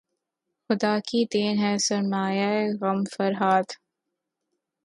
خدا کی دین ہے سرمایۂ غم فرہاد